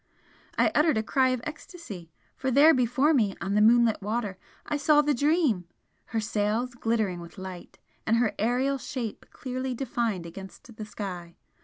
I uttered a cry of ecstasy for there before me on the moonlit water I saw the 'Dream'! her sails glittering with light, and her aerial shape clearly defined against the sky!